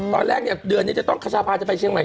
ตอนแรกเนี่ยเดือนนี้จะต้องขชาพาจะไปเชียงใหม่